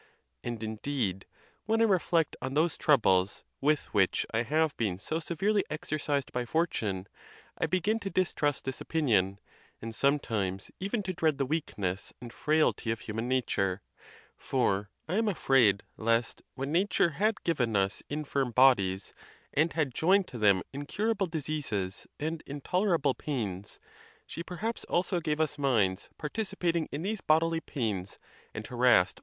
And, indeed, when I reflect.on those troubles with which I have been so severely exercised by fortune, I begin to distrust this opinion; and 'sometimes even to dread the weakness and frailty of human nature, for I am afraid lest, when nature had given us infirm bodies, and had joined to them incur able diseases and intolerable pains, she perhaps also gave us minds participating in these bodily pains, and harassed 164 THE TUSCULAN DISPUTATIONS.